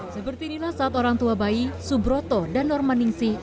seperti inilah saat orang tua bayi subroto dan normaningsih